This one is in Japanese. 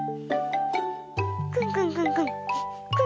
くんくんくんくん。